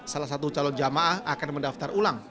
salah satu calon jamaah akan mendaftar ulang